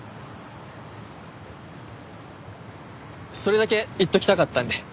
それだけ言っておきたかったんで。